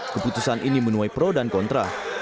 keputusan ini menuai pro dan kontra